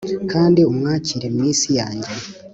kandi umwakire mu isi yanjye